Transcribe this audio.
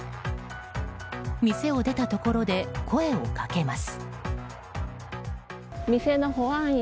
店を出たところで声をかけます。